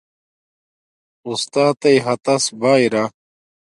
اُستاتݵ ھاتس باہ ارا